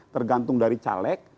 tergantung dari caleg